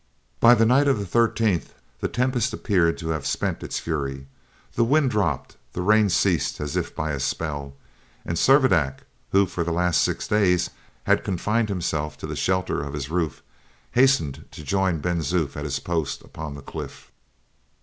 But by the night of the 13th the tempest appeared to have spent its fury; the wind dropped; the rain ceased as if by a spell; and Servadac, who for the last six days had confined himself to the shelter of his roof, hastened to join Ben Zoof at his post upon the cliff.